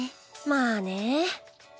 まあね。